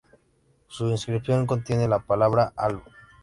Su inscripción contiene la palabra "alu".